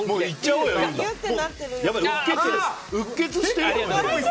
うっ血してるよ。